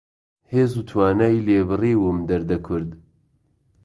هێز و توانای لێ بڕیوم دەردە کورد